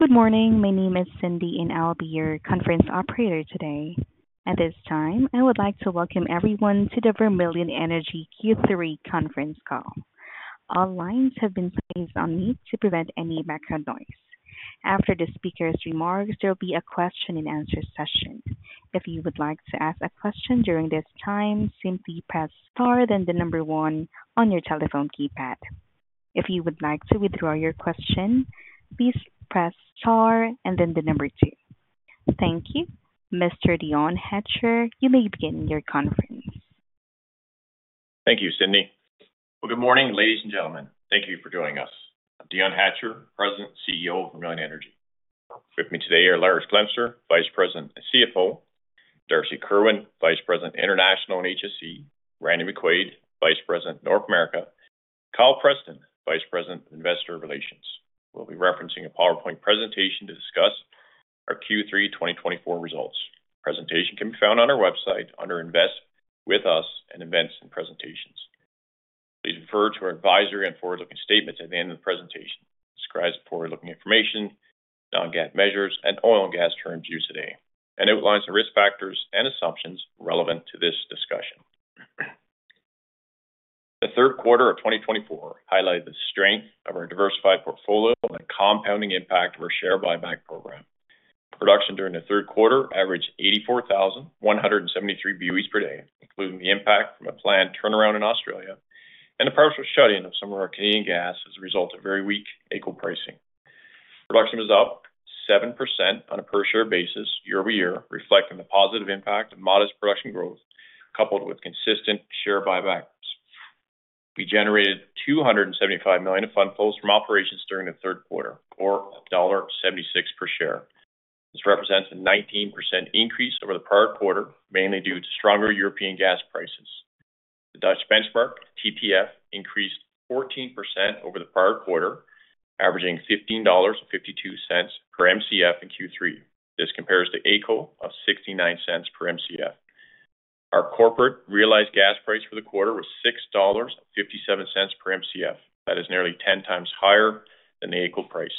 Good morning. My name is Cindy, and I'll be your conference operator today. At this time, I would like to welcome everyone to the Vermilion Energy Q3 Conference Call. All lines have been placed on mute to prevent any background noise. After the speaker's remarks, there will be a question-and-answer session. If you would like to ask a question during this time, simply press star then the number one on your telephone keypad. If you would like to withdraw your question, please press star and then the number two. Thank you. Mr. Dion Hatcher, you may begin your conference. Thank you, Cindy. Well, good morning, ladies and gentlemen. Thank you for joining us. I'm Dion Hatcher, President and CEO of Vermilion Energy. With me today are Lars Glemser, Vice President and CFO. Darcy Kerwin, Vice President International and HSE. Randy McQuaig, Vice President North America. Kyle Preston, Vice President of Investor Relations. We'll be referencing a PowerPoint presentation to discuss our Q3 2024 results. The presentation can be found on our website under Invest with Us and Events and Presentations. Please refer to our advisory and forward-looking statements at the end of the presentation. It describes forward-looking information on non-GAAP measures and oil and gas terms used today, and outlines the risk factors and assumptions relevant to this discussion. The third quarter of 2024 highlighted the strength of our diversified portfolio and the compounding impact of our share buyback program. Production during the third quarter averaged 84,173 BOEs per day, including the impact from a planned turnaround in Australia and the partial shutting of some of our Canadian gas as a result of very weak AECO pricing. Production was up 7% on a per-share basis year-over-year, reflecting the positive impact of modest production growth coupled with consistent share buybacks. We generated 275 million of fund flows from operations during the third quarter, or dollar 1.76 per share. This represents a 19% increase over the prior quarter, mainly due to stronger European gas prices. The Dutch benchmark TTF increased 14% over the prior quarter, averaging 15.52 dollars per MCF in Q3. This compares to AECO of 0.69 per MCF. Our corporate realized gas price for the quarter was 6.57 dollars per MCF. That is nearly 10x higher than the AECO price.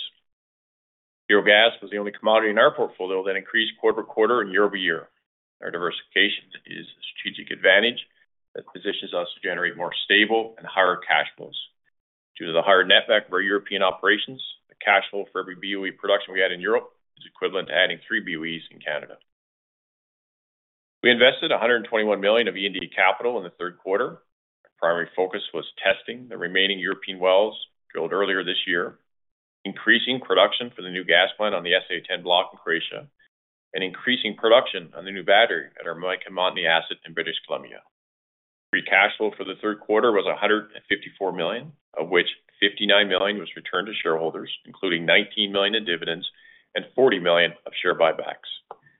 Fuel gas was the only commodity in our portfolio that increased quarter to quarter and year-over-year. Our diversification is a strategic advantage that positions us to generate more stable and higher cash flows. Due to the higher net back of our European operations, the cash flow for every BOE production we add in Europe is equivalent to adding three BOEs in Canada. We invested 121 million of E&D capital in the third quarter. Our primary focus was testing the remaining European wells drilled earlier this year, increasing production for the new gas plant on the SA-10 block in Croatia, and increasing production on the new battery at our Mica Montney asset in British Columbia. Free cash flow for the third quarter was 154 million, of which 59 million was returned to shareholders, including 19 million in dividends and 40 million of share buybacks.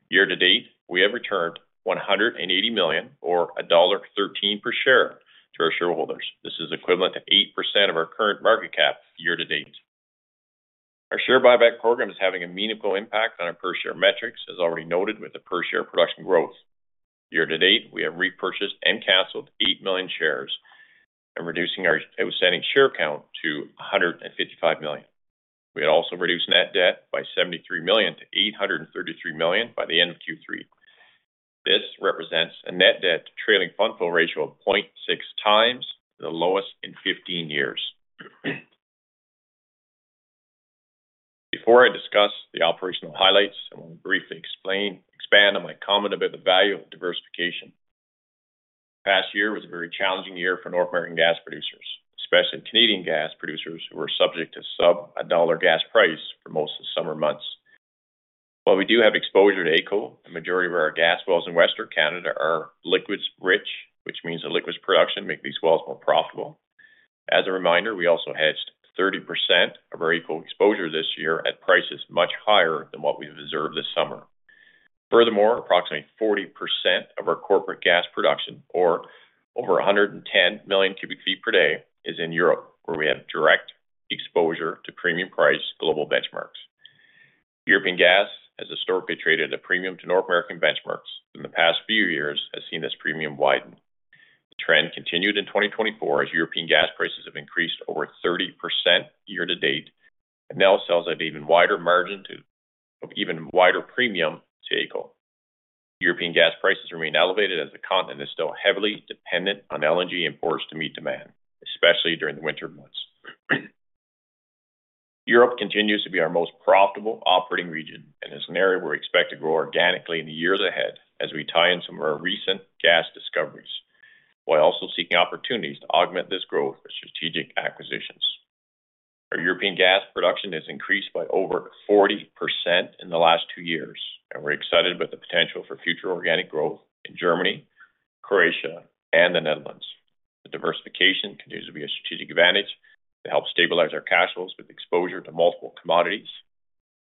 Year-to-date, we have returned 180 million, or dollar 1.13 per share, to our shareholders. This is equivalent to 8% of our current market cap year-to-date. Our share buyback program is having a meaningful impact on our per-share metrics, as already noted with the per-share production growth. Year-to-date, we have repurchased and canceled 8 million shares, reducing our outstanding share count to 155 million. We had also reduced net debt by 73 million-833 million by the end of Q3. This represents a net debt to trailing fund flow ratio of 0.6x, the lowest in 15 years. Before I discuss the operational highlights, I want to briefly expand on my comment about the value of diversification. The past year was a very challenging year for North American gas producers, especially Canadian gas producers who were subject to sub-CAD 1 gas price for most of the summer months. While we do have exposure to AECO, the majority of our gas wells in Western Canada are liquids-rich, which means the liquids production makes these wells more profitable. As a reminder, we also hedged 30% of our AECO exposure this year at prices much higher than what we've observed this summer. Furthermore, approximately 40% of our corporate gas production, or over 110 million cubic feet per day, is in Europe, where we have direct exposure to premium-priced global benchmarks. European gas, as historically traded at a premium to North American benchmarks, in the past few years has seen this premium widen. The trend continued in 2024 as European gas prices have increased over 30% year-to-date and now sells at an even wider margin of even wider premium to AECO. European gas prices remain elevated as the continent is still heavily dependent on LNG imports to meet demand, especially during the winter months. Europe continues to be our most profitable operating region and is an area we expect to grow organically in the years ahead as we tie in some of our recent gas discoveries, while also seeking opportunities to augment this growth with strategic acquisitions. Our European gas production has increased by over 40% in the last two years, and we're excited about the potential for future organic growth in Germany, Croatia, and the Netherlands. The diversification continues to be a strategic advantage to help stabilize our cash flows with exposure to multiple commodities.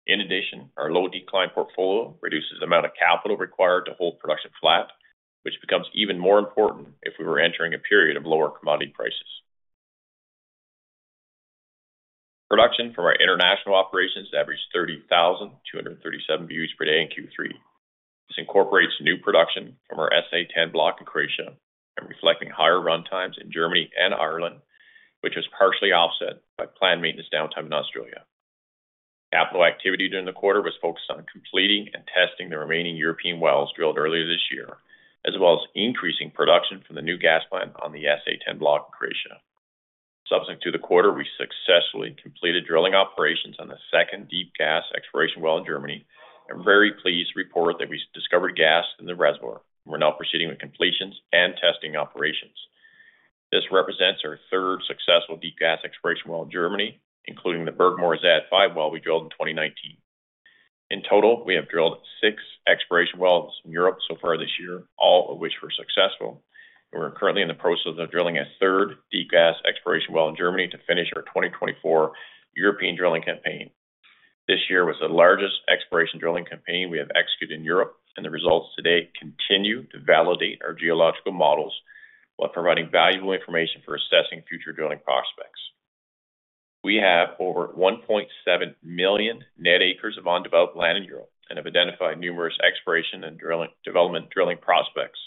In addition, our low-decline portfolio reduces the amount of capital required to hold production flat, which becomes even more important if we were entering a period of lower commodity prices. Production from our international operations averaged 30,237 BOEs per day in Q3. This incorporates new production from our SA-10 block in Croatia and reflecting higher runtimes in Germany and Ireland, which was partially offset by planned maintenance downtime in Australia. Capital activity during the quarter was focused on completing and testing the remaining European wells drilled earlier this year, as well as increasing production from the new gas plant on the SA-10 block in Croatia. Subsequent to the quarter, we successfully completed drilling operations on the second deep gas exploration well in Germany and are very pleased to report that we discovered gas in the reservoir and we're now proceeding with completions and testing operations. This represents our third successful deep gas exploration well in Germany, including the Burgmoor Z5 well we drilled in 2019. In total, we have drilled six exploration wells in Europe so far this year, all of which were successful, and we're currently in the process of drilling a third deep gas exploration well in Germany to finish our 2024 European drilling campaign. This year was the largest exploration drilling campaign we have executed in Europe, and the results to date continue to validate our geological models while providing valuable information for assessing future drilling prospects. We have over 1.7 million net acres of undeveloped land in Europe and have identified numerous exploration and development drilling prospects,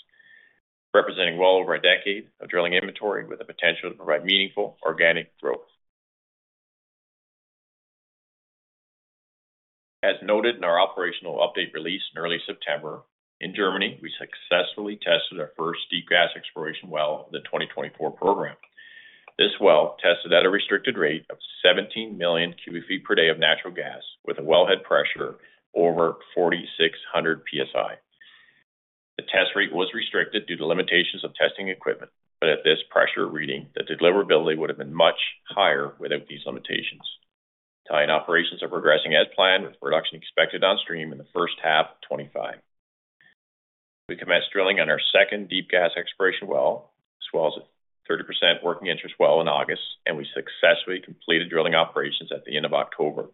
representing well over a decade of drilling inventory with the potential to provide meaningful organic growth. As noted in our operational update released in early September, in Germany, we successfully tested our first deep gas exploration well of the 2024 program. This well tested at a restricted rate of 17 million cubic feet per day of natural gas with a wellhead pressure over 4,600 PSI. The test rate was restricted due to limitations of testing equipment, but at this pressure reading, the deliverability would have been much higher without these limitations. Tying operations are progressing as planned, with production expected on stream in the first half of 2025. We commenced drilling on our second deep gas exploration well, as well as a 30% working interest well in August, and we successfully completed drilling operations at the end of October.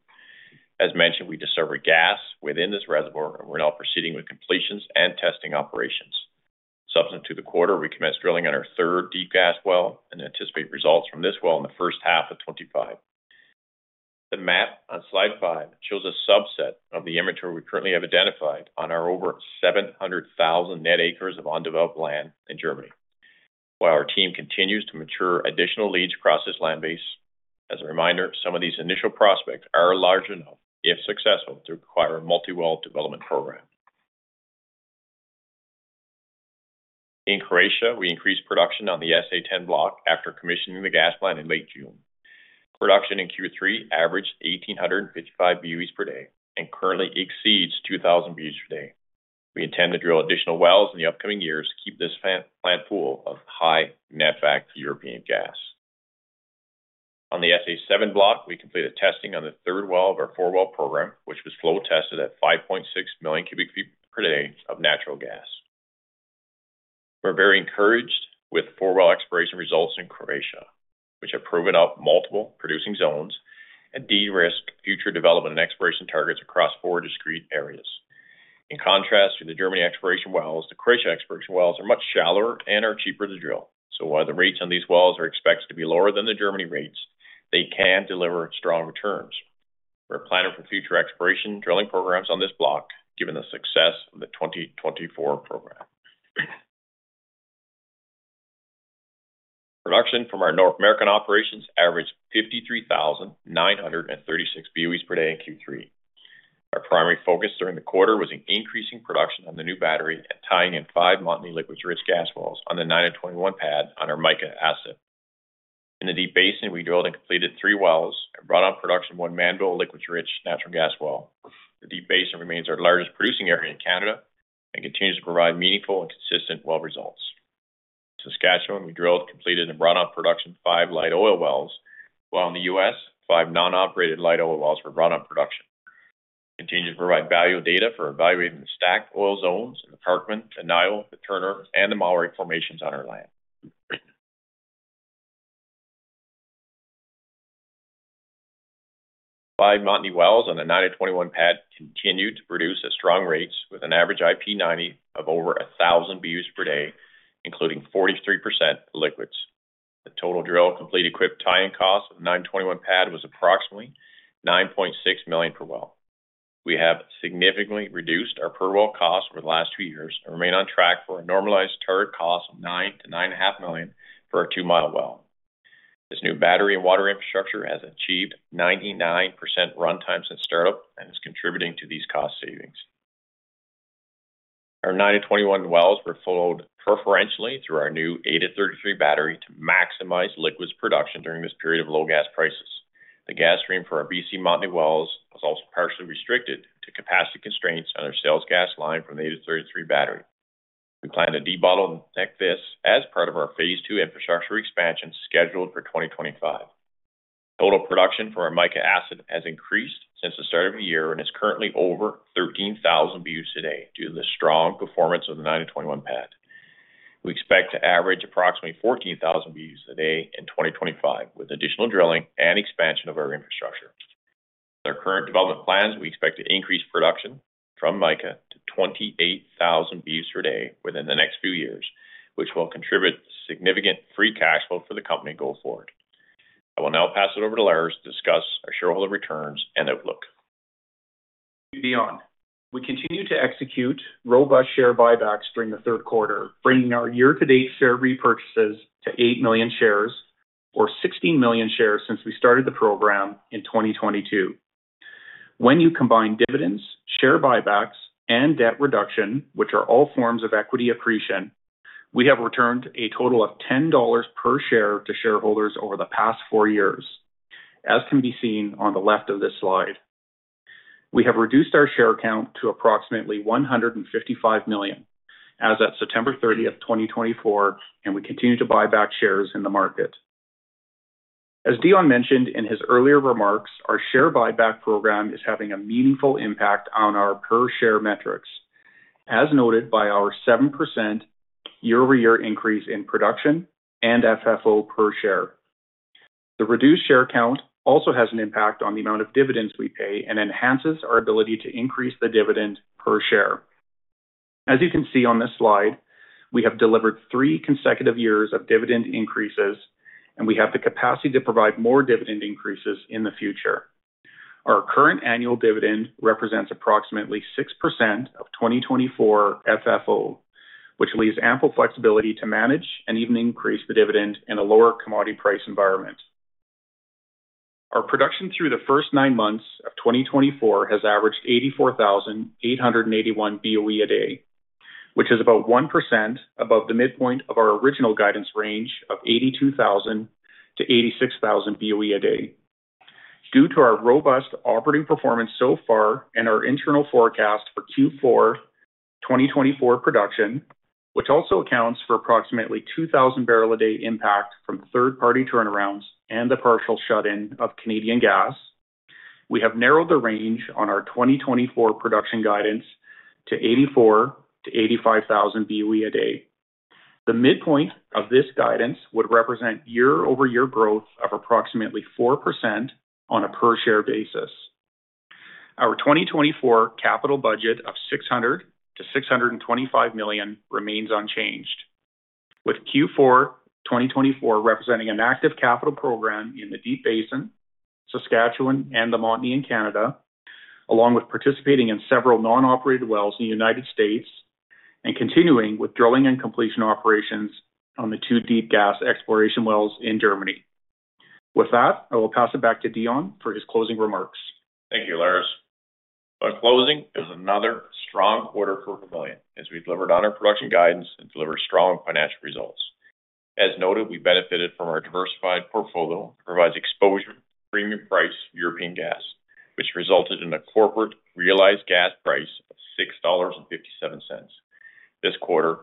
As mentioned, we discovered gas within this reservoir, and we're now proceeding with completions and testing operations. Subsequent to the quarter, we commenced drilling on our third deep gas well and anticipate results from this well in the first half of 2025. The map on slide five shows a subset of the inventory we currently have identified on our over 700,000 net acres of undeveloped land in Germany. While our team continues to mature additional leads across this land base, as a reminder, some of these initial prospects are large enough, if successful, to require a multi-well development program. In Croatia, we increased production on the SA-10 block after commissioning the gas plant in late June. Production in Q3 averaged 1,855 BOEs per day and currently exceeds 2,000 BOEs per day. We intend to drill additional wells in the upcoming years to keep this plant full of high-net back European gas. On the SA-7 block, we completed testing on the third well of our four-well program, which was flow tested at 5.6 million cubic feet per day of natural gas. We're very encouraged with four-well exploration results in Croatia, which have proven out multiple producing zones and de-risked future development and exploration targets across four discrete areas. In contrast to the Germany exploration wells, the Croatia exploration wells are much shallower and are cheaper to drill. So while the rates on these wells are expected to be lower than the Germany rates, they can deliver strong returns. We're planning for future exploration drilling programs on this block, given the success of the 2024 program. Production from our North American operations averaged 53,936 BOEs per day in Q3. Our primary focus during the quarter was increasing production on the new battery and tying in five Montney liquids-rich gas wells on the 921 pad on our Mica asset. In the Deep Basin, we drilled and completed three wells and brought on production of one Montney liquids-rich natural gas well. The Deep Basin remains our largest producing area in Canada and continues to provide meaningful and consistent well results. In Saskatchewan, we drilled, completed, and brought on production of five light oil wells, while in the U.S., five non-operated light oil wells were brought on production. We continue to provide valuable data for evaluating the stacked oil zones in the Parkman, the Niobrara, the Turner, and the Mowry formations on our land. Five Montney wells on the 921 pad continued to produce at strong rates with an average IP90 of over 1,000 BOEs per day, including 43% liquids. The total drill-complete-equipped tying cost of the 921 pad was approximately 9.6 million per well. We have significantly reduced our per-well cost over the last two years and remain on track for a normalized target cost of 9 million-9.5 million for our two-mile well. This new battery and water infrastructure has achieved 99% runtime since startup and is contributing to these cost savings. Our 921 wells were flowed preferentially through our new 833 battery to maximize liquids production during this period of low gas prices. The gas stream for our BC Montney wells was also partially restricted to capacity constraints on our sales gas line from the 833 battery. We plan to debottle and connect this as part of our phase two infrastructure expansion scheduled for 2025. Total production for our Mica asset has increased since the start of the year and is currently over 13,000 BOEs a day due to the strong performance of the 921 pad. We expect to average approximately 14,000 BOEs a day in 2025 with additional drilling and expansion of our infrastructure. With our current development plans, we expect to increase production from Mica to 28,000 BOEs per day within the next few years, which will contribute significant free cash flow for the company going forward. I will now pass it over to Lars to discuss our shareholder returns and outlook beyond. We continue to execute robust share buybacks during the third quarter, bringing our year-to-date share repurchases to 8 million shares, or 16 million shares since we started the program in 2022. When you combine dividends, share buybacks, and debt reduction, which are all forms of equity accretion, we have returned a total of 10 dollars per share to shareholders over the past four years, as can be seen on the left of this slide. We have reduced our share count to approximately 155 million as of September 30, 2024, and we continue to buy back shares in the market. As Dion mentioned in his earlier remarks, our share buyback program is having a meaningful impact on our per-share metrics, as noted by our 7% year-over-year increase in production and FFO per share. The reduced share count also has an impact on the amount of dividends we pay and enhances our ability to increase the dividend per share. As you can see on this slide, we have delivered three consecutive years of dividend increases, and we have the capacity to provide more dividend increases in the future. Our current annual dividend represents approximately 6% of 2024 FFO, which leaves ample flexibility to manage and even increase the dividend in a lower commodity price environment. Our production through the first nine months of 2024 has averaged 84,881 BOE a day, which is about 1% above the midpoint of our original guidance range of 82,000-86,000 BOE a day. Due to our robust operating performance so far and our internal forecast for Q4 2024 production, which also accounts for approximately 2,000 barrel a day impact from third-party turnarounds and the partial shut-in of Canadian gas, we have narrowed the range on our 2024 production guidance to 84,000-85,000 BOE a day. The midpoint of this guidance would represent year-over-year growth of approximately 4% on a per-share basis. Our 2024 capital budget of 600-625 million remains unchanged, with Q4 2024 representing an active capital program in the Deep Basin, Saskatchewan, and the Montney in Canada, along with participating in several non-operated wells in the United States and continuing with drilling and completion operations on the two deep gas exploration wells in Germany. With that, I will pass it back to Dion for his closing remarks. Thank you, Lars. Our closing is another strong quarter for Vermilion as we delivered on our production guidance and delivered strong financial results. As noted, we benefited from our diversified portfolio that provides exposure to premium price European gas, which resulted in a corporate realized gas price of 6.57 dollars this quarter.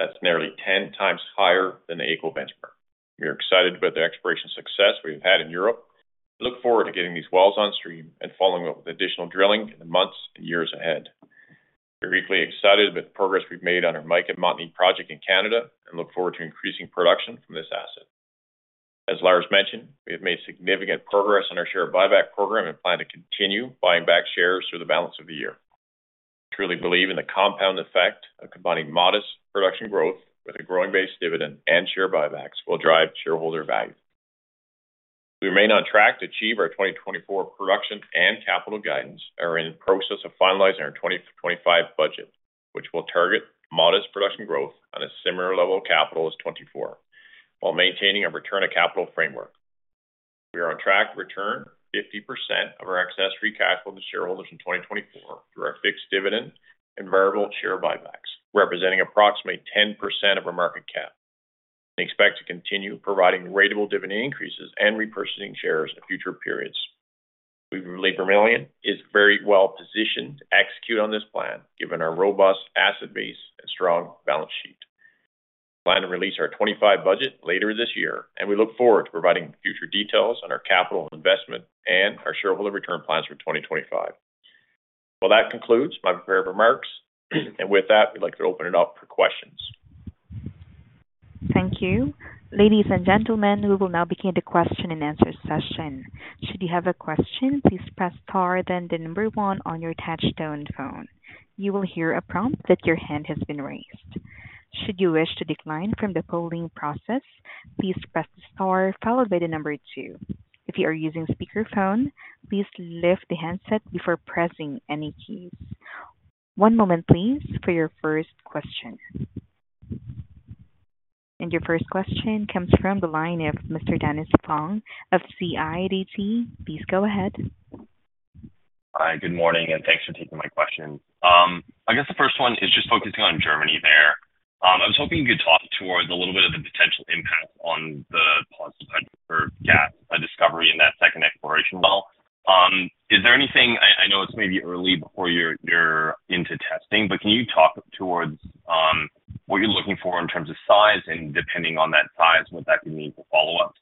That's nearly 10x higher than the AECO benchmark. We are excited about the exploration success we have had in Europe. We look forward to getting these wells on stream and following up with additional drilling in the months and years ahead. We're equally excited about the progress we've made on our Mica and Montney project in Canada and look forward to increasing production from this asset. As Lars mentioned, we have made significant progress on our share buyback program and plan to continue buying back shares through the balance of the year. We truly believe in the compound effect of combining modest production growth with a growing base dividend and share buybacks will drive shareholder value. As we remain on track to achieve our 2024 production and capital guidance, we are in the process of finalizing our 2025 budget, which will target modest production growth on a similar level of capital as 2024 while maintaining our return to capital framework. We are on track to return 50% of our excess free cash flow to shareholders in 2024 through our fixed dividend and variable share buybacks, representing approximately 10% of our market cap. We expect to continue providing ratable dividend increases and repurchasing shares in future periods. We believe Vermilion is very well positioned to execute on this plan, given our robust asset base and strong balance sheet. We plan to release our '25 budget later this year, and we look forward to providing future details on our capital investment and our shareholder return plans for 2025. So that concludes my prepared remarks, and with that, we'd like to open it up for questions. Thank you. Ladies and gentlemen, we will now begin the question and answer session. Should you have a question, please press star then the number one on your touch-tone phone. You will hear a prompt that your hand has been raised. Should you wish to decline from the polling process, please press the star followed by the number two. If you are using speakerphone, please lift the handset before pressing any keys. One moment, please, for your first question, and your first question comes from the line of Mr. Dennis Fong of CIBC. Please go ahead. Hi, good morning, and thanks for taking my question. I guess the first one is just focusing on Germany there. I was hoping you could talk towards a little bit of the potential impact on the positive hedge for gas discovery in that second exploration well. Is there anything. I know it's maybe early before you're into testing. But can you talk towards what you're looking for in terms of size and, depending on that size, what that could mean for follow-up?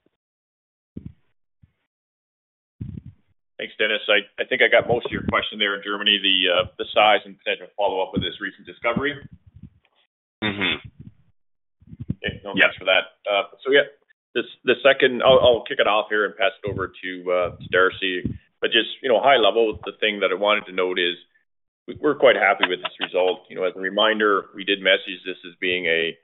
Thanks, Dennis. I think I got most of your question there in Germany, the size and potential follow-up with this recent discovery. Okay. No need for that. So yeah, the second. I'll kick it off here and pass it over to Darcy. But just high level, the thing that I wanted to note is we're quite happy with this result. As a reminder, we did message this as being a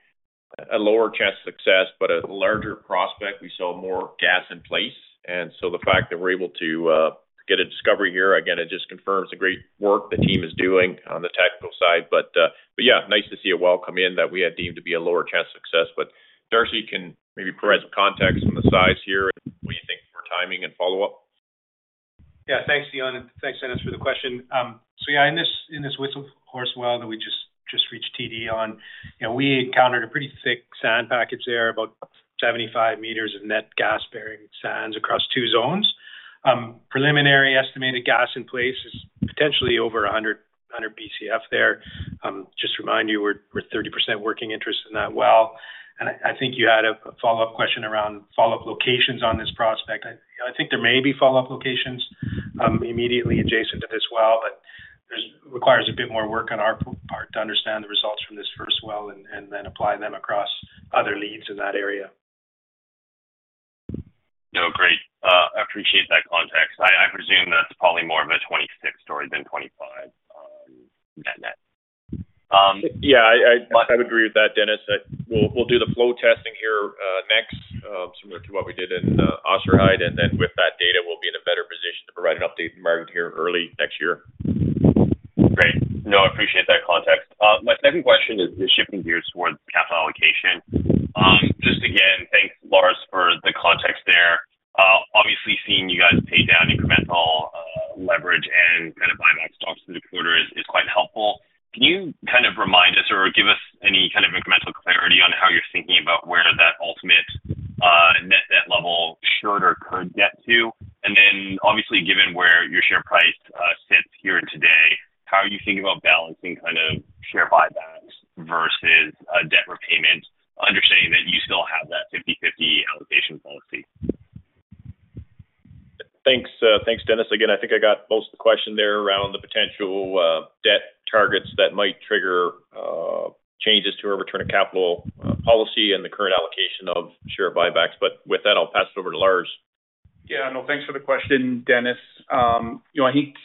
lower chance of success, but a larger prospect. We saw more gas in place. And so the fact that we're able to get a discovery here, again, it just confirms the great work the team is doing on the technical side. But yeah, nice to see a well come in that we had deemed to be a lower chance of success. But Darcy can maybe provide some context on the size here and what you think for timing and follow-up. Yeah. Thanks, Dion. And thanks, Dennis, for the question. So yeah, in this Wisselshorst Z1 well that we just reached TD on, we encountered a pretty thick sand package there, about 75 meters of net gas-bearing sands across two zones. Preliminary estimated gas in place is potentially over 100 BCF there. Just to remind you, we're 30% working interest in that well. And I think you had a follow-up question around follow-up locations on this prospect. I think there may be follow-up locations immediately adjacent to this well, but it requires a bit more work on our part to understand the results from this first well and then apply them across other leads in that area. No, great. I appreciate that context. I presume that's probably more of a 2026 story than 2025 net-net. Yeah, I would agree with that, Dennis. We'll do the flow testing here next, similar to what we did in Ollesheim Z1. And then with that data, we'll be in a better position to provide an updated market here early next year. Great. No, I appreciate that context. My second question is shifting gears towards capital allocation. Just again, thanks, Lars, for the context there. Obviously, seeing you guys pay down incremental leverage and kind of buyback stocks through the quarter is quite helpful. Can you kind of remind us or give us any kind of incremental clarity on how you're thinking about where that ultimate net debt level should or could get to? And then, obviously, given where your share price sits here today, how are you thinking about balancing kind of share buybacks versus debt repayment, understanding that you still have that 50/50 allocation policy? Thanks, Dennis. Again, I think I got most of the question there around the potential debt targets that might trigger changes to our return to capital policy and the current allocation of share buybacks. But with that, I'll pass it over to Lars. Yeah. No, thanks for the question, Dennis. I think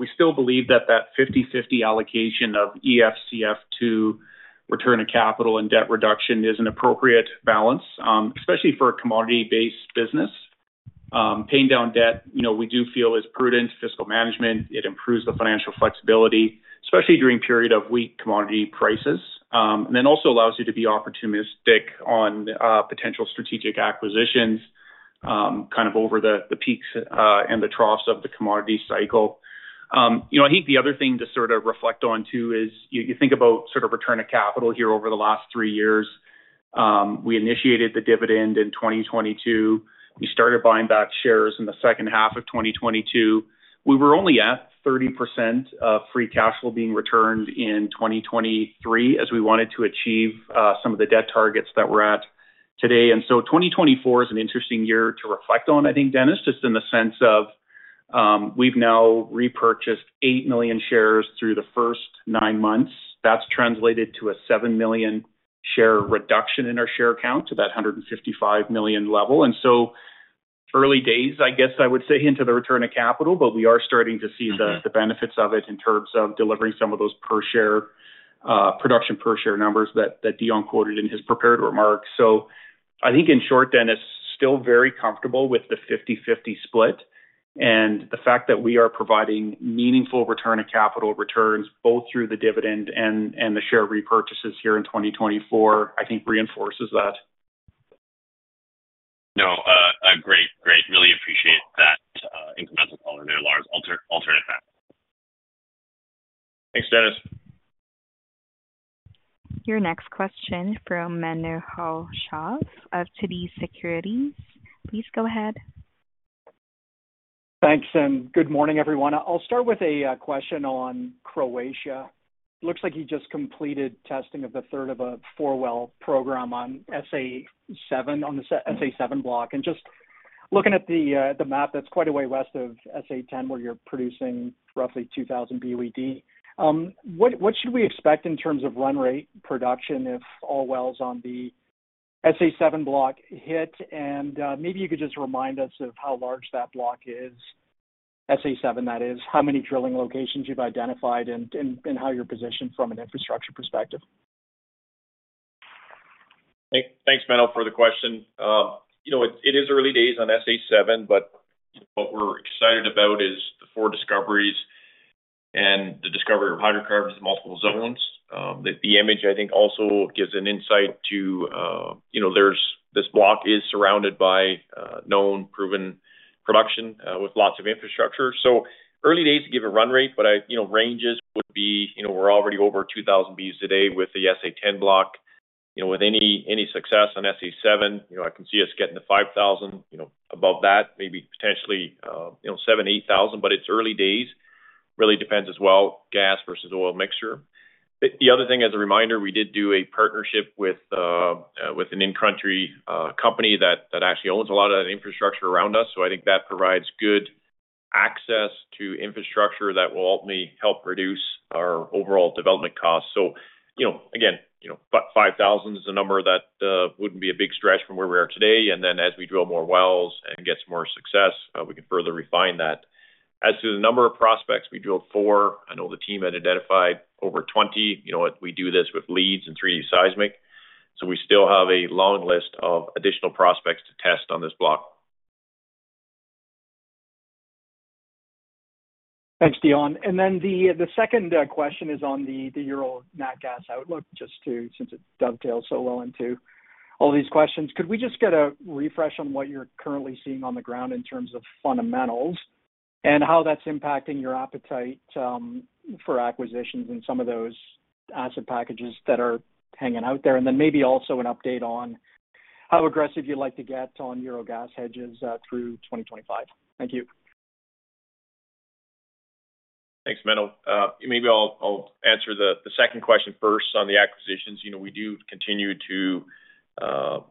we still believe that that 50/50 allocation of EFCF to return to capital and debt reduction is an appropriate balance, especially for a commodity-based business. Paying down debt, we do feel is prudent fiscal management. It improves the financial flexibility, especially during periods of weak commodity prices, and then also allows you to be opportunistic on potential strategic acquisitions kind of over the peaks and the troughs of the commodity cycle. I think the other thing to sort of reflect on too is you think about sort of return to capital here over the last three years. We initiated the dividend in 2022. We started buying back shares in the second half of 2022. We were only at 30% of free cash flow being returned in 2023 as we wanted to achieve some of the debt targets that we're at today. And so, 2024 is an interesting year to reflect on, I think, Dennis, just in the sense of we've now repurchased eight million shares through the first nine months. That's translated to a seven million share reduction in our share count to that 155 million level. And so early days, I guess I would say, into the return to capital, but we are starting to see the benefits of it in terms of delivering some of those per-share production per-share numbers that Dion quoted in his prepared remarks. So I think in short, Dennis, still very comfortable with the 50/50 split. And the fact that we are providing meaningful return to capital returns both through the dividend and the share repurchases here in 2024, I think reinforces that. No, great. Great. Really appreciate that incremental color there, Lars. Alternate facts. Thanks, Lars. Your next question from Menno Hulshof of TD Securities. Please go ahead. Thanks. And good morning, everyone. I'll start with a question on Croatia. Looks like you just completed testing of the third of a four-well program on SA-7 block. And just looking at the map, that's quite a way west of SA-10 where you're producing roughly 2,000 BOED. What should we expect in terms of run rate production if all wells on the SA-7 block hit? And maybe you could just remind us of how large that block is, SA-7, that is, how many drilling locations you've identified, and how you're positioned from an infrastructure perspective. Thanks, Menno, for the question. It is early days on SA-7, but what we're excited about is the four discoveries and the discovery of hydrocarbons in multiple zones. The image, I think, also gives an insight to this block, which is surrounded by known proven production with lots of infrastructure. So early days to give a run rate, but ranges would be we're already over 2,000 BOEs today with the SA-10 block. With any success on SA-7, I can see us getting to 5,000. Above that, maybe potentially 7,000, 8,000, but it's early days. Really depends as well. Gas versus oil mixture. The other thing, as a reminder, we did do a partnership with an in-country company that actually owns a lot of that infrastructure around us. So I think that provides good access to infrastructure that will ultimately help reduce our overall development costs. So again, about 5,000 is a number that wouldn't be a big stretch from where we are today. And then as we drill more wells and get some more success, we can further refine that. As to the number of prospects we drilled for, I know the team had identified over 20. We do this with leads and 3D seismic. So we still have a long list of additional prospects to test on this block. Thanks, Dion. And then the second question is on the year-old natural gas outlook, just since it dovetails so well into all these questions. Could we just get a refresh on what you're currently seeing on the ground in terms of fundamentals and how that's impacting your appetite for acquisitions and some of those asset packages that are hanging out there? And then maybe also an update on how aggressive you'd like to get on euro gas hedges through 2025. Thank you. Thanks, Menno. Maybe I'll answer the second question first on the acquisitions. We do continue to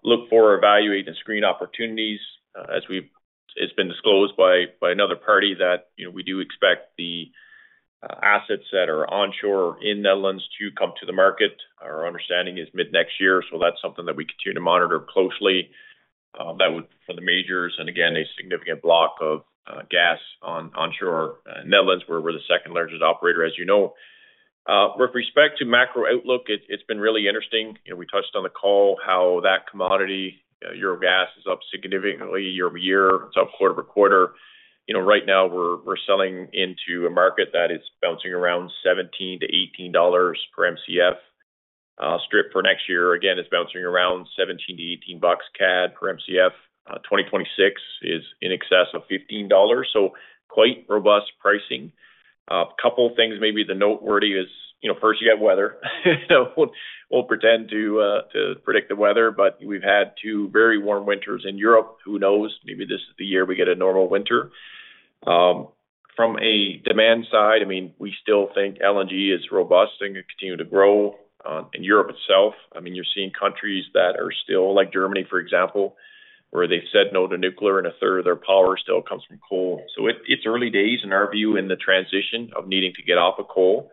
look for, evaluate, and screen opportunities. As it's been disclosed by another party, we do expect the assets that are onshore in Netherlands to come to the market. Our understanding is mid-next year, so that's something that we continue to monitor closely. That would. The majors. And again, a significant block of gas onshore in Netherlands, where we're the second largest operator, as you know. With respect to macro outlook, it's been really interesting. We touched on the call, how that commodity, European gas, is up significantly year-over-year. It's up quarter-over-quarter. Right now, we're selling into a market that is bouncing around 17- 18 dollars per MCF strip for next year. Again, it's bouncing around 17-18 bucks CAD per MCF. 2026 is in excess of 15 dollars. So quite robust pricing. A couple of things. Maybe the most noteworthy is, first, you've got weather. We'll pretend to predict the weather, but we've had two very warm winters in Europe. Who knows? Maybe this is the year we get a normal winter. From a demand side, I mean, we still think LNG is robust and can continue to grow. In Europe itself, I mean, you're seeing countries that are still, like Germany, for example, where they've said no to nuclear, and a third of their power still comes from coal. So it's early days, in our view, in the transition of needing to get off of coal.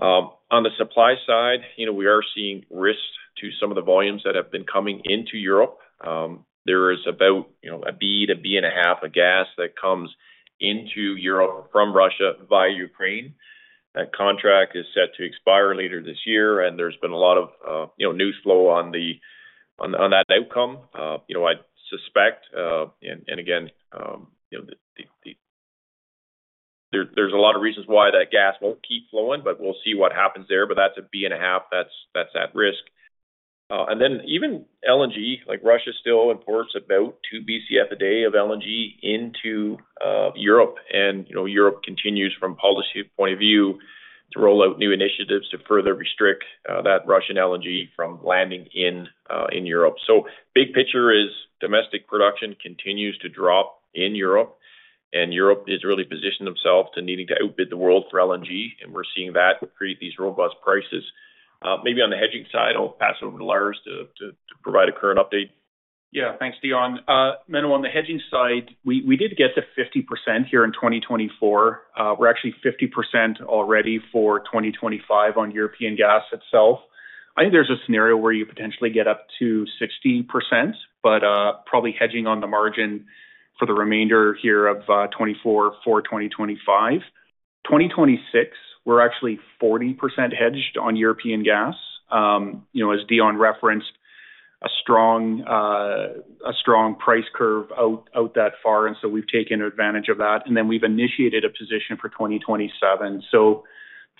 On the supply side, we are seeing risks to some of the volumes that have been coming into Europe. There is about a Bcf, a Bcf and a half of gas that comes into Europe from Russia via Ukraine. That contract is set to expire later this year, and there's been a lot of news flow on that outcome. I suspect, and again, there's a lot of reasons why that gas won't keep flowing, but we'll see what happens there, but that's a Bcf and a half that's at risk. And then even LNG, like Russia still exports about two Bcf a day of LNG into Europe. And Europe continues, from a policy point of view, to roll out new initiatives to further restrict that Russian LNG from landing in Europe. So big picture is domestic production continues to drop in Europe, and Europe is really positioning themselves to needing to outbid the world for LNG. And we're seeing that create these robust prices. Maybe on the hedging side, I'll pass it over to Lars to provide a current update. Yeah. Thanks, Dion. Menno, on the hedging side, we did get to 50% here in 2024. We're actually 50% already for 2025 on European gas itself. I think there's a scenario where you potentially get up to 60%, but probably hedging on the margin for the remainder here of 2024 for 2025. 2026, we're actually 40% hedged on European gas. As Dion referenced, a strong price curve out that far. And so we've taken advantage of that. And then we've initiated a position for 2027. So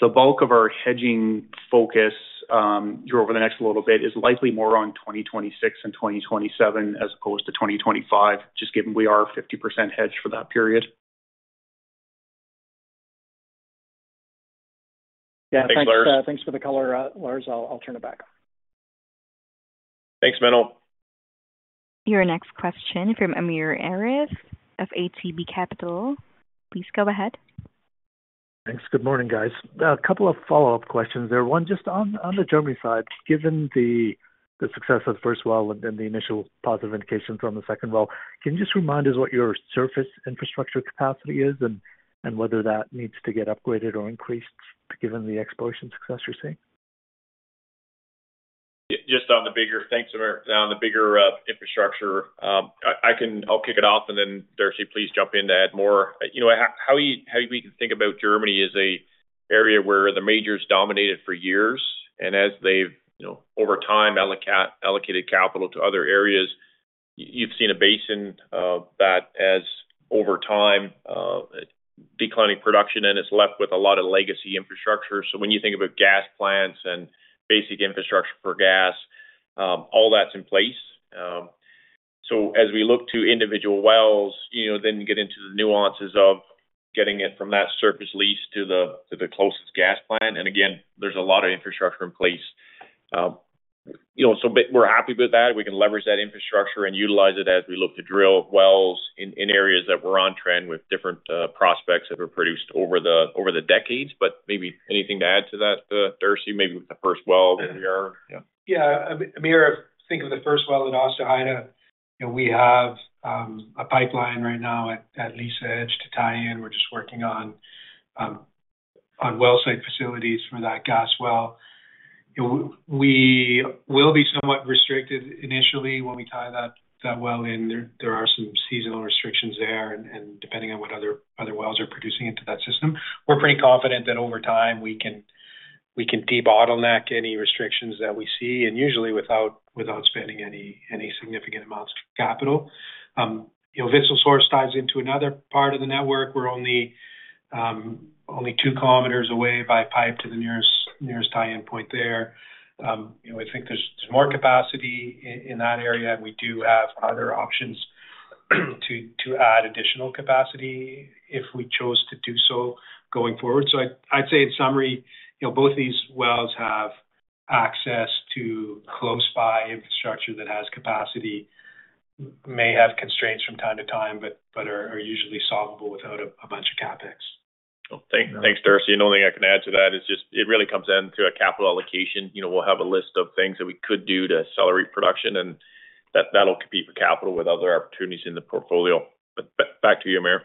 the bulk of our hedging focus here over the next little bit is likely more on 2026 and 2027 as opposed to 2025, just given we are 50% hedged for that period. Yeah. Thanks, Lars. Thanks for the color, Lars. I'll turn it back. Thanks, Menno. Your next question from Amir Arif of ATB Capital. Please go ahead. Thanks. Good morning, guys. A couple of follow-up questions there. One just on the Germany side. Given the success of the first well and the initial positive indications on the second well, can you just remind us what your surface infrastructure capacity is and whether that needs to get upgraded or increased given the exploration success you're seeing? Just on the bigger picture on the bigger infrastructure. I'll kick it off, and then Darcy, please jump in to add more. How we can think about Germany is an area where the majors dominated for years. And as they've over time allocated capital to other areas, you've seen a basin that has over time declined in production, and it's left with a lot of legacy infrastructure. So when you think about gas plants and basic infrastructure for gas, all that's in place. So as we look to individual wells, then get into the nuances of getting it from that surface lease to the closest gas plant. And again, there's a lot of infrastructure in place. So we're happy with that. We can leverage that infrastructure and utilize it as we look to drill wells in areas that were on trend with different prospects that were produced over the decades. But maybe anything to add to that, Darcy, maybe with the first well that we are? Yeah. Amir, think of the first well in Ollesheim. We have a pipeline right now at lease edge to tie in. We're just working on well site facilities for that gas well. We will be somewhat restricted initially when we tie that well in. There are some seasonal restrictions there, and depending on what other wells are producing into that system, we're pretty confident that over time we can debottleneck any restrictions that we see, and usually without spending any significant amounts of capital. Wisselshorst ties into another part of the network. We're only two kilometers away by pipe to the nearest tie-in point there. We think there's more capacity in that area, and we do have other options to add additional capacity if we chose to do so going forward. So I'd say in summary, both these wells have access to close-by infrastructure that has capacity. May have constraints from time to time, but are usually solvable without a bunch of CapEx. Thanks, Darcy. And the only thing I can add to that is just it really comes down to a capital allocation. We'll have a list of things that we could do to accelerate production, and that'll compete for capital with other opportunities in the portfolio. But back to you, Amir.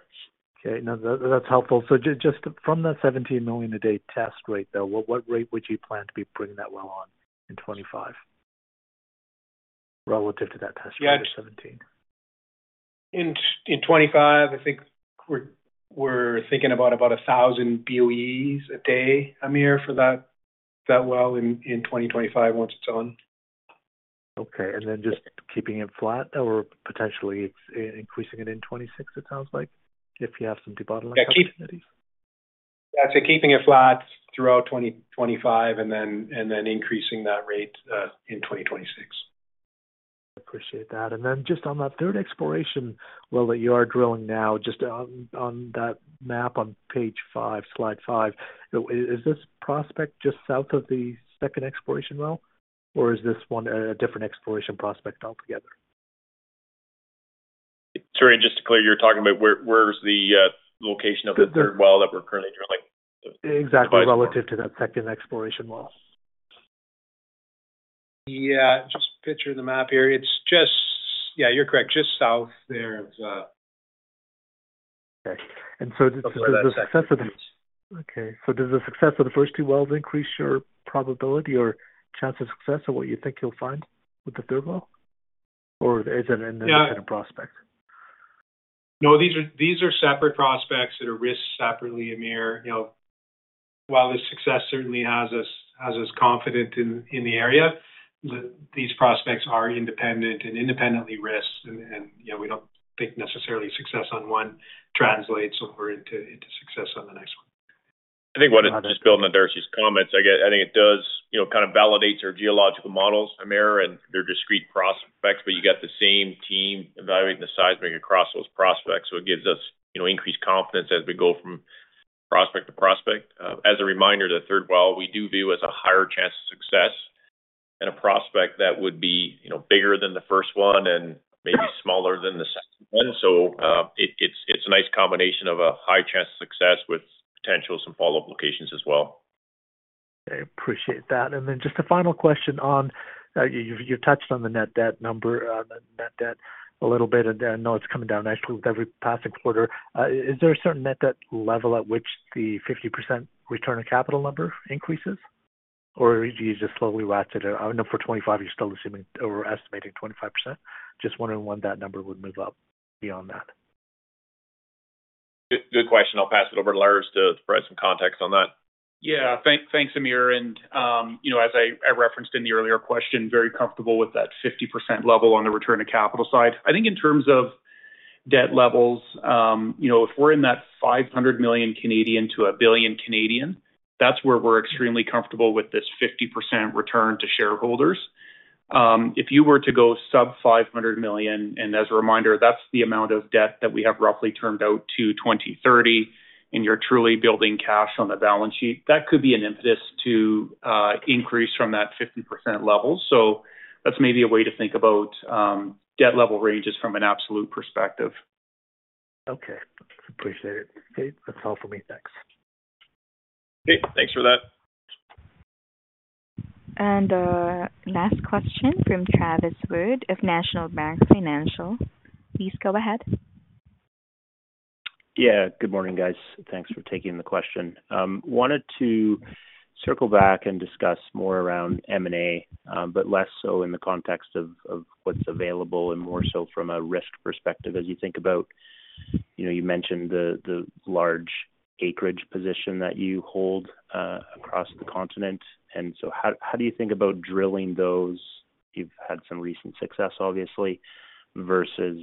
Okay. No, that's helpful. So just from the 17 million a day test rate there, what rate would you plan to be bringing that well on in 2025 relative to that test rate of 17? In 2025, I think we're thinking about 1,000 BOEs a day, Amir, for that well in 2025 once it's on. Okay. And then just keeping it flat or potentially increasing it in 2026, it sounds like, if you have some debottleneck facilities. Yeah. So keeping it flat throughout 2025 and then increasing that rate in 2026. I appreciate that. And then just on that third exploration well that you are drilling now, just on that map on page five, slide five, is this prospect just south of the second exploration well, or is this one a different exploration prospect altogether? Sorry, just to clear, you're talking about where's the location of the third well that we're currently drilling? Exactly relative to that second exploration well. Yeah. Just picture the map here. Yeah, you're correct. Just south there of. Okay. And so does the success of the - okay. So does the success of the first two wells increase your probability or chance of success of what you think you'll find with the third well? Or is it in a different prospect? No, these are separate prospects that are risked separately, Amir. While this success certainly has us confident in the area, these prospects are independent and independently risked. And we don't think necessarily success on one translates over into success on the next one. I think what it does, just building on Darcy's comments, I think it does kind of validate their geological models, Amir, and their discrete prospects. But you got the same team evaluating the seismic across those prospects. So it gives us increased confidence as we go from prospect to prospect. As a reminder, the third well we do view as a higher chance of success and a prospect that would be bigger than the first one and maybe smaller than the second one. So it's a nice combination of a high chance of success with potential some follow-up locations as well. Okay. Appreciate that. And then just a final question on, you've touched on the net debt number, the net debt a little bit. And I know it's coming down nicely with every passing quarter. Is there a certain net debt level at which the 50% return of capital number increases? Or do you just slowly ratchet it? I know for 2025 you're still assuming or estimating 25%. Just wondering when that number would move up beyond that. Good question. I'll pass it over to Lars to provide some context on that. Yeah. Thanks, Amir. And as I referenced in the earlier question, very comfortable with that 50% level on the return to capital side. I think in terms of debt levels, if we're in that 500 million-1 billion, that's where we're extremely comfortable with this 50% return to shareholders. If you were to go sub 500 million - and as a reminder, that's the amount of debt that we have roughly turned out to 2030 - and you're truly building cash on the balance sheet, that could be an impetus to increase from that 50% level. So that's maybe a way to think about debt level ranges from an absolute perspective. Okay. Appreciate it. That's all for me. Thanks. Okay. Thanks for that. And last question from Travis Wood of National Bank Financial. Please go ahead. Yeah. Good morning, guys. Thanks for taking the question. Wanted to circle back and discuss more around M&A, but less so in the context of what's available and more so from a risk perspective as you think about - you mentioned the large acreage position that you hold across the continent. And so how do you think about drilling those? You've had some recent success, obviously, versus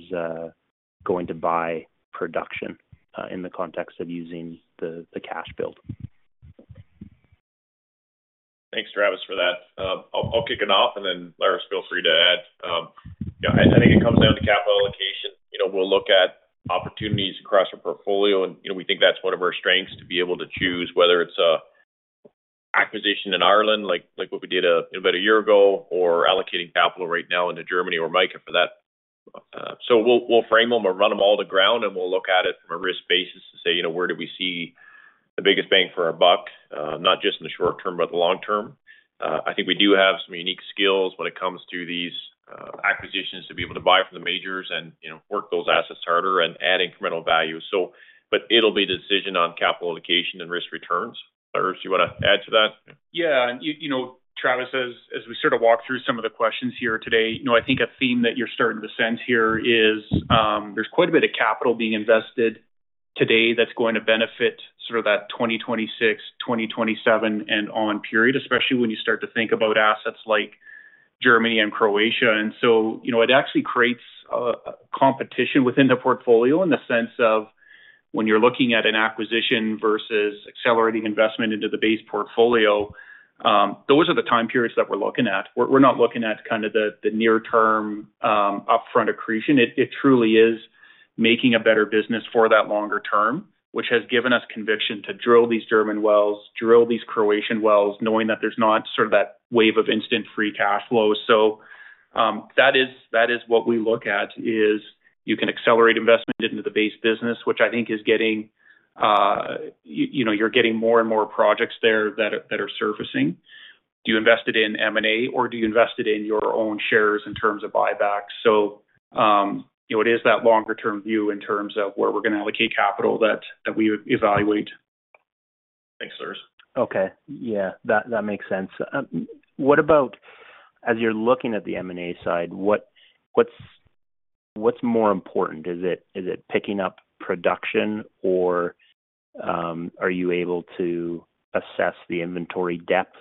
going to buy production in the context of using the cash build. Thanks, Travis, for that. I'll kick it off, and then Lars, feel free to add. I think it comes down to capital allocation. We'll look at opportunities across our portfolio, and we think that's one of our strengths to be able to choose whether it's an acquisition in Ireland, like what we did about a year ago, or allocating capital right now into Germany or Mica for that. So we'll frame them or run them all to ground, and we'll look at it from a risk basis to say, "Where do we see the biggest bang for our buck?" Not just in the short term, but the long term. I think we do have some unique skills when it comes to these acquisitions to be able to buy from the majors and work those assets harder and add incremental value. But it'll be the decision on capital allocation and risk returns. Lars, do you want to add to that? Yeah. And Travis, as we sort of walk through some of the questions here today, I think a theme that you're starting to sense here is there's quite a bit of capital being invested today that's going to benefit sort of that 2026, 2027, and on period, especially when you start to think about assets like Germany and Croatia. And so it actually creates a competition within the portfolio in the sense of when you're looking at an acquisition versus accelerating investment into the base portfolio, those are the time periods that we're looking at. We're not looking at kind of the near-term upfront accretion. It truly is making a better business for that longer term, which has given us conviction to drill these German wells, drill these Croatian wells, knowing that there's not sort of that wave of instant free cash flow. So that is what we look at, is you can accelerate investment into the base business, which I think is getting, you're getting more and more projects there that are surfacing. Do you invest it in M&A, or do you invest it in your own shares in terms of buybacks? So it is that longer-term view in terms of where we're going to allocate capital that we evaluate. Thanks, Lars. Okay. Yeah. That makes sense. As you're looking at the M&A side, what's more important? Is it picking up production, or are you able to assess the inventory depth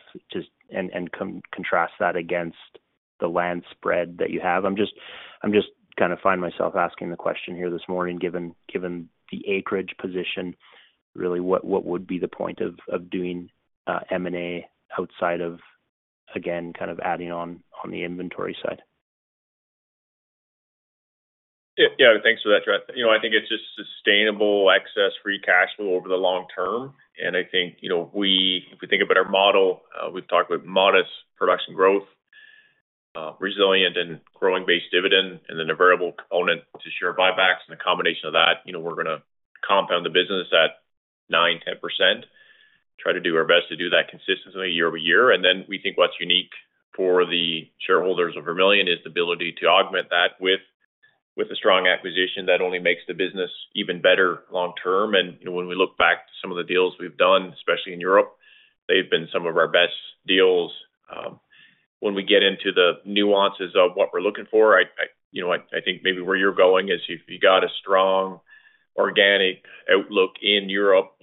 and contrast that against the land spread that you have? I'm just kind of finding myself asking the question here this morning, given the acreage position, really what would be the point of doing M&A outside of, again, kind of adding on the inventory side? Yeah. Thanks for that, Travis. I think it's just sustainable excess free cash flow over the long term, and I think if we think about our model, we've talked about modest production growth, resilient and growing-based dividend, and then a variable component to share buybacks, and the combination of that, we're going to compound the business at 9%-10%, try to do our best to do that consistently year over year. And then we think what's unique for the shareholders of Vermilion is the ability to augment that with a strong acquisition that only makes the business even better long term. And when we look back to some of the deals we've done, especially in Europe, they've been some of our best deals. When we get into the nuances of what we're looking for, I think maybe where you're going is if you've got a strong organic outlook in Europe,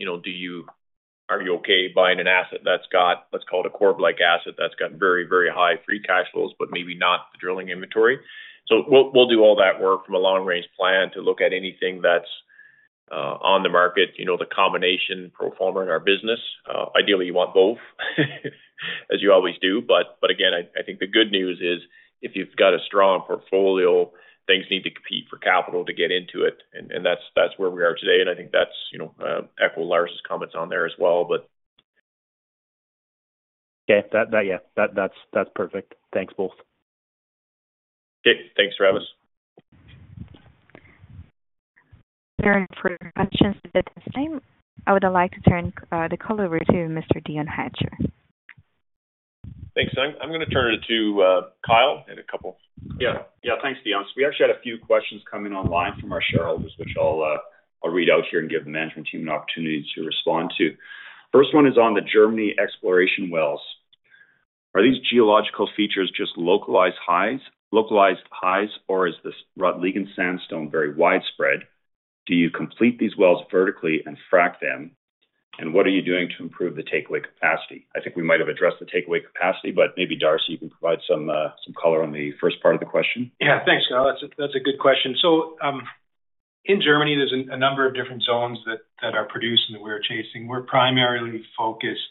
are you okay buying an asset that's got, let's call it a Corrib like asset that's got very, very high free cash flows, but maybe not the drilling inventory? So we'll do all that work from a long-range plan to look at anything that's on the market, the combination pro forma in our business. Ideally, you want both, as you always do. But again, I think the good news is if you've got a strong portfolio, things need to compete for capital to get into it. And that's where we are today. And I think that's echoing Lars's comments on there as well, but. Okay. Yeah. That's perfect. Thanks both. Okay. Thanks, Travis. There are no further questions at this time. I would like to turn the call over to Mr. Dion Hatcher. Thanks. I'm going to turn it to Kyle and a couple. Yeah. Yeah. Thanks, Dion. We actually had a few questions coming online from our shareholders, which I'll read out here and give the management team an opportunity to respond to. First one is on the Germany exploration wells. Are these geological features just localized highs, or is the Rotliegend sandstone very widespread? Do you complete these wells vertically and frac them, and what are you doing to improve the takeaway capacity? I think we might have addressed the takeaway capacity, but maybe Darcy, you can provide some color on the first part of the question. Yeah. Thanks, Kyle. That's a good question. So in Germany, there's a number of different zones that are produced and that we're chasing. We're primarily focused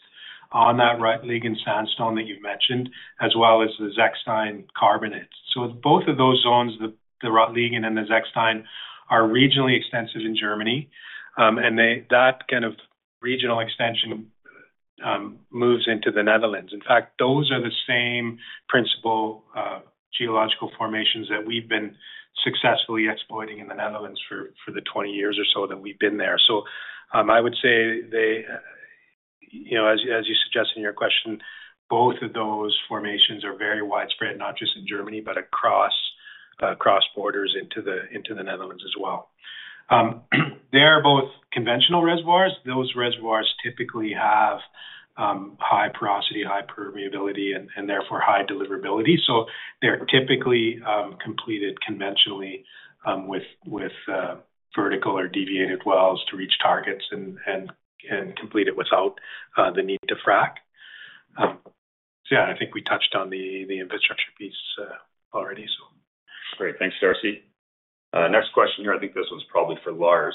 on that Rotliegend sandstone that you've mentioned, as well as the Zechstein carbonate. So both of those zones, the Rotliegend and the Zechstein, are regionally extensive in Germany, and that kind of regional extension moves into the Netherlands. In fact, those are the same principal geological formations that we've been successfully exploiting in the Netherlands for the 20 years or so that we've been there. So I would say, as you suggest in your question, both of those formations are very widespread, not just in Germany, but across borders into the Netherlands as well. They're both conventional reservoirs. Those reservoirs typically have high porosity, high permeability, and therefore high deliverability. So they're typically completed conventionally with vertical or deviated wells to reach targets and complete it without the need to frac. So yeah, I think we touched on the infrastructure piece already, so. Great. Thanks, Darcy. Next question here. I think this one's probably for Lars.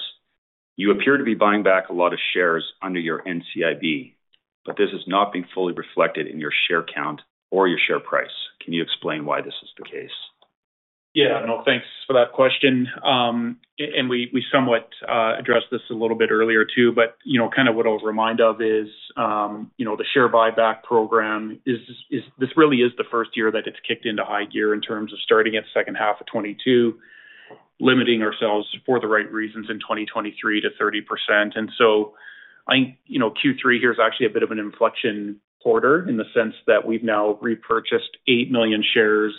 You appear to be buying back a lot of shares under your NCIB, but this has not been fully reflected in your share count or your share price. Can you explain why this is the case? Yeah. No, thanks for that question. We somewhat addressed this a little bit earlier too, but kind of what I'll remind of is the share buyback program. This really is the first year that it's kicked into high gear in terms of starting at the second half of 2022, limiting ourselves for the right reasons in 2023 to 30%. And so I think Q3 here is actually a bit of an inflection quarter in the sense that we've now repurchased eight million shares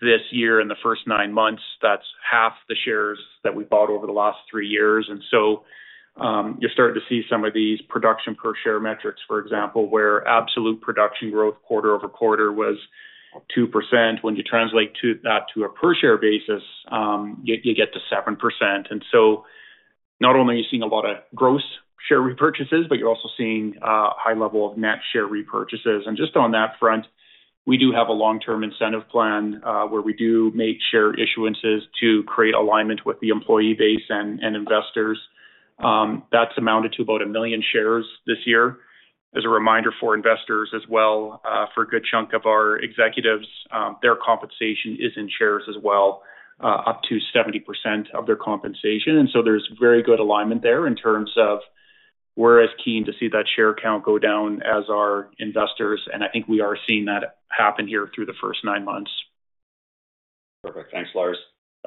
this year in the first nine months. That's half the shares that we bought over the last three years. And so you're starting to see some of these production per share metrics, for example, where absolute production growth quarter over quarter was 2%. When you translate that to a per share basis, you get to 7%. And so not only are you seeing a lot of gross share repurchases, but you're also seeing a high level of net share repurchases. And just on that front, we do have a long-term incentive plan where we do make share issuances to create alignment with the employee base and investors. That's amounted to about a million shares this year. As a reminder for investors as well, for a good chunk of our executives, their compensation is in shares as well, up to 70% of their compensation. And so there's very good alignment there in terms of we're as keen to see that share count go down as our investors. And I think we are seeing that happen here through the first nine months. Perfect. Thanks, Lars.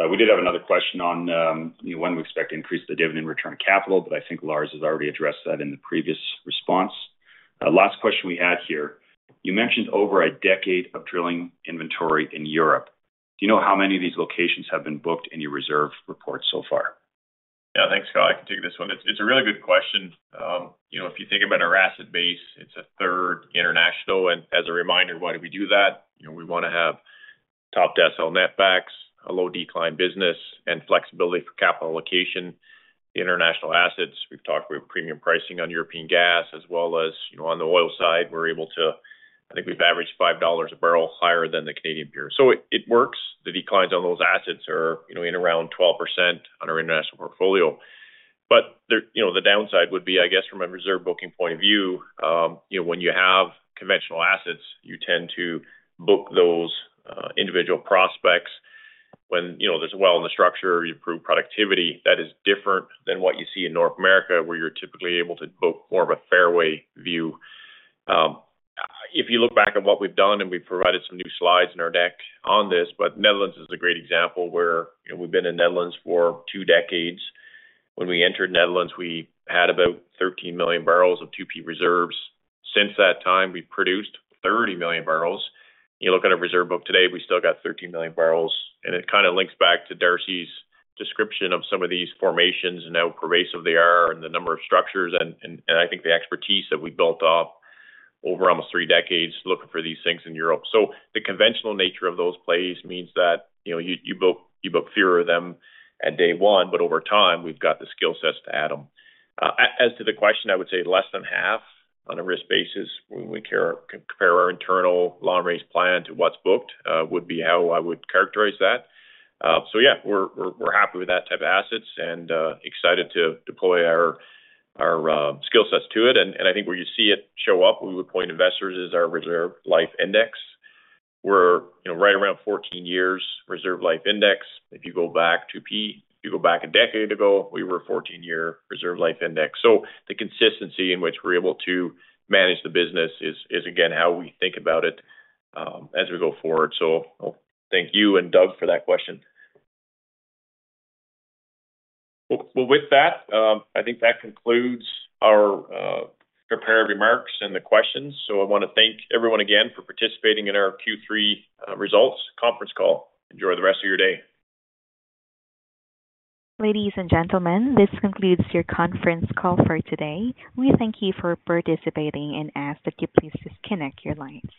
We did have another question on when we expect to increase the dividend / return of capital, but I think Lars has already addressed that in the previous response. Last question we had here. You mentioned over a decade of drilling inventory in Europe. Do you know how many of these locations have been booked in your reserve report so far? Yeah. Thanks, Kyle. I can take this one. It's a really good question. If you think about our asset base, it's a third international. And as a reminder, why do we do that? We want to have top decile netbacks, a low decline business, and flexibility for capital allocation. The international assets, we've talked about premium pricing on European gas, as well as on the oil side, we're able to, I think we've averaged $5 a barrel higher than the Canadian peer. So it works. The declines on those assets are in around 12% on our international portfolio. But the downside would be, I guess, from a reserve booking point of view, when you have conventional assets, you tend to book those individual prospects. When there's a well in the structure, you improve productivity. That is different than what you see in North America, where you're typically able to book more of a fairway view. If you look back at what we've done, and we've provided some new slides in our deck on this, but Netherlands is a great example where we've been in Netherlands for two decades. When we entered Netherlands, we had about 13 million barrels of 2P reserves. Since that time, we've produced 30 million barrels. You look at our reserve book today, we still got 13 million barrels. And it kind of links back to Darcy's description of some of these formations and how pervasive they are and the number of structures. And I think the expertise that we built up over almost three decades looking for these things in Europe. So the conventional nature of those plays means that you book fewer of them at day one, but over time, we've got the skill sets to add them. As to the question, I would say less than half on a risk basis. When we compare our internal long-range plan to what's booked would be how I would characterize that. So yeah, we're happy with that type of assets and excited to deploy our skill sets to it. And I think where you see it show up, we would point investors is our reserve life index. We're right around 14 years reserve life index. If you go back to P, if you go back a decade ago, we were a 14-year reserve life index. So the consistency in which we're able to manage the business is, again, how we think about it as we go forward. So thank you and Doug for that question. Well, with that, I think that concludes our prepared remarks and the questions. So I want to thank everyone again for participating in our Q3 results conference call. Enjoy the rest of your day. Ladies and gentlemen, this concludes your conference call for today. We thank you for participating and ask that you please disconnect your lines.